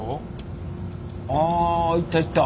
あいったいった。